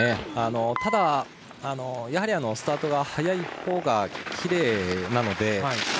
ただ、やはりスタートが早いほうがきれいなので。